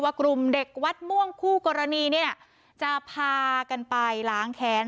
เชี่ยวกลุ่มเด็กวัดม่วงผู้กรณีจะพากันไปล้างแค้น